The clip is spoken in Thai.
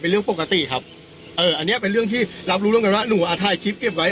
เรื่องปกติครับเอออันนี้เป็นเรื่องที่รับรู้ร่วมกันว่าหนูอ่ะถ่ายคลิปเก็บไว้